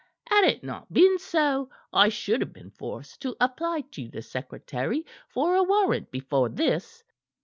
"Had it not been so, I should have been forced to apply to the secretary for a warrant before this."